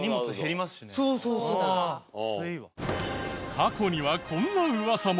過去にはこんなウワサも。